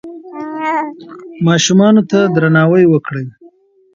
ماشومانو ته درناوی وکړئ.